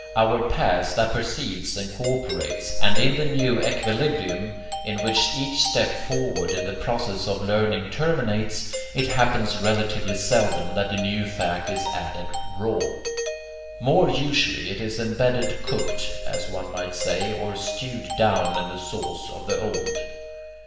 Our past apperceives and co operates; and in the new equilibrium in which each step forward in the process of learning terminates, it happens relatively seldom that the new fact is added RAW. More usually it is embedded cooked, as one might say, or stewed down in the sauce of the old.